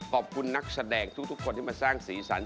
ขอบคุณนักแสดงทุกคนที่มาสร้างสีสัน